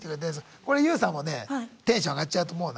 これＹＯＵさんもねテンション上がっちゃうと思うな。